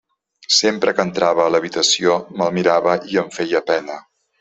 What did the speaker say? Sempre que entrava a l'habitació me'l mirava i em feia pena.